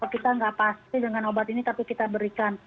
kita nggak pasti dengan obat ini tapi kita berikan